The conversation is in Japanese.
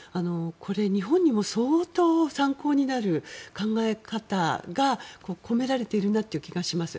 これ、日本も相当参考になる考え方が込められているなという気がします。